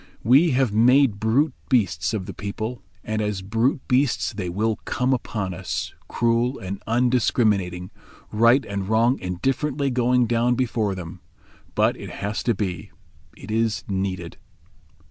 We have made brute beasts of the people, and as brute beasts they will come upon us, cruel, and undiscriminating; right and wrong indifferently going down before them. But it has to be. It is needed."